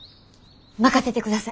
任せてください！